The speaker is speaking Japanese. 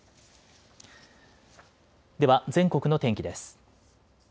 では全国の天気です。